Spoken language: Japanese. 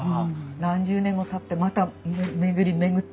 何十年もたってまた巡り巡ってね